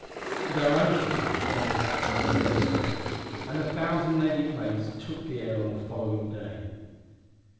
But our own fleet went out to measure their strength, and a thousand Navy planes took the air on the following day.